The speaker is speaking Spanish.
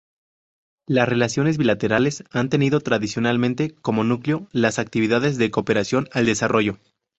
Las relaciones bilaterales han tenido tradicionalmente como núcleo las actividades de cooperación al desarrollo.